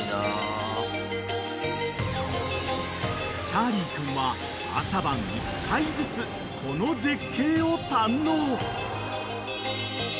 ［チャーリー君は朝晩１回ずつこの絶景を堪能］